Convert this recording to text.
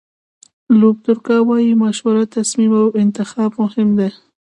لوپ دورکا وایي مشوره، تصمیم او انتخاب مهم دي.